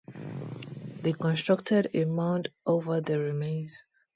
They constructed a mound over the remains.